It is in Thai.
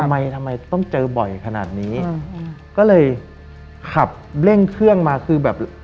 ทำไมทำไมต้องเจอบ่อยขนาดนี้อืมก็เลยขับเร่งเครื่องมาคือแบบ